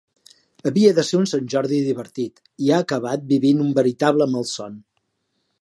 Havia de ser un sant Jordi divertit i ha acabat vivint un veritable malson.